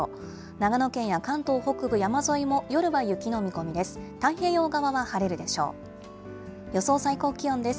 長野県や関東北部山沿いも夜は雪の見込みです。